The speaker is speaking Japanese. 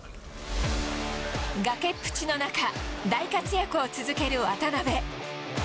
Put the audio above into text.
崖っぷちの中、大活躍を続ける渡邊。